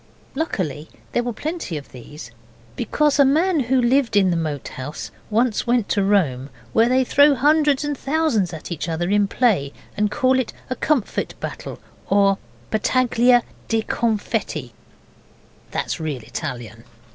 Luckily there were plenty of these, because a man who lived in the Moat House once went to Rome, where they throw hundreds and thousands at each other in play, and call it a Comfit Battle or Battaglia di Confetti (that's real Italian).